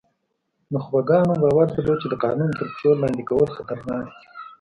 نخبګانو باور درلود چې د قانون تر پښو لاندې کول خطرناک دي.